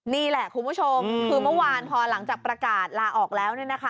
นี่แหละคุณผู้ชมคือเมื่อวานพอหลังจากประกาศลาออกแล้วเนี่ยนะคะ